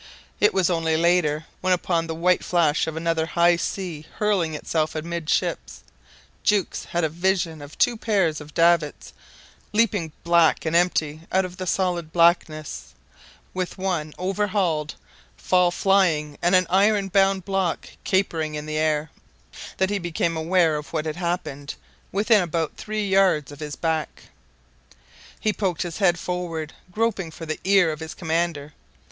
It was only later, when upon the white flash of another high sea hurling itself amidships, Jukes had a vision of two pairs of davits leaping black and empty out of the solid blackness, with one overhauled fall flying and an iron bound block capering in the air, that he became aware of what had happened within about three yards of his back. He poked his head forward, groping for the ear of his commander.